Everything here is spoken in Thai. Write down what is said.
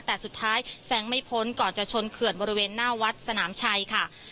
แต่สุดท้ายแซงไม่พ้นก่อนจะชนเขื่อนบริเวณหน้าวัดสนามชัยค่ะ